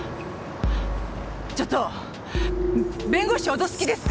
ちょっと弁護士を脅す気ですか？